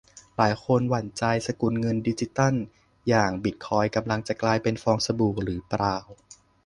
หลายคนหวั่นใจ สกุลเงินดิจิทัลอย่างบิตคอยน์กำลังจะกลายเป็นฟองสบู่หรือเปล่า